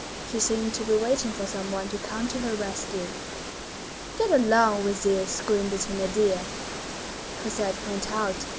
She seemed to be waiting for some one to come to her rescue. "Get along with you!" screamed the Thénardier. Cosette went out.